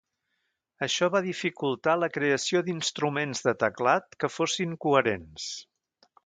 Això va dificultar la creació d'instruments de teclat que fossin coherents.